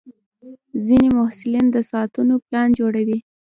ځینې محصلین د ساعتونو پلان جوړوي.